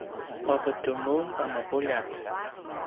mavetu mun a mapuljat?